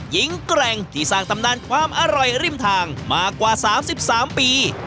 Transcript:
แกร่งที่สร้างตำนานความอร่อยริมทางมากว่า๓๓ปี